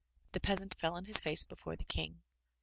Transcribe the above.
The peasant fell on his face before the King.